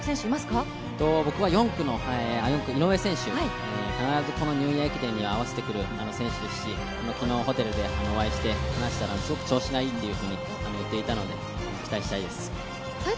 僕は４区の井上選手、必ずニューイヤー駅伝に合わせてくる選手ですし、昨日、ホテルでお会いして話したらすごく調子がいいというふうに言っていたので、期待したいです。